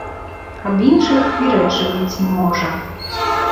Аб іншых і рэчы быць не можа.